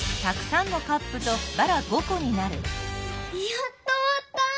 やっとおわった！